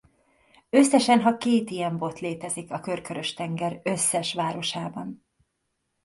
Összesen ha két ilyen bot létezik a Körkörös-tenger összes városában.